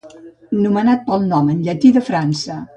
Nomenat pel nom en llatí de França.